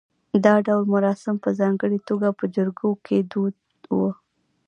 دا ډول مراسم په ځانګړې توګه په جریکو کې دود و